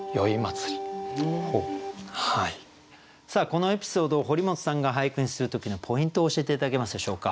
このエピソードを堀本さんが俳句にする時のポイントを教えて頂けますでしょうか。